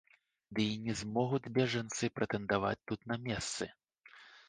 Ды і не змогуць бежанцы прэтэндаваць тут на месцы.